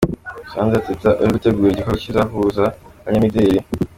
Sandra Teta uri gutegura igikorwa kizahuza abanyamideli .